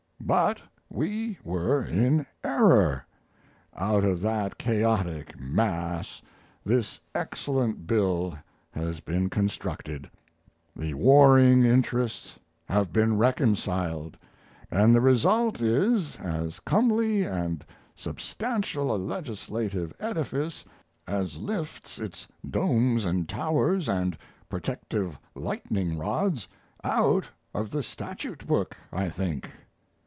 But we were in error; out of that chaotic mass this excellent bill has been constructed, the warring interests have been reconciled, and the result is as comely and substantial a legislative edifice as lifts its domes and towers and protective lightning rods out of the statute book I think.